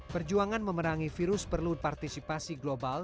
perjuangan memerangi virus perlu partisipasi global